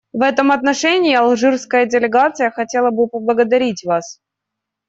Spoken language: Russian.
В этом отношении алжирская делегация хотела бы поблагодарить вас,.